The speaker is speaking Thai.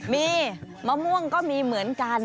มีมะม่วงก็มีเหมือนกัน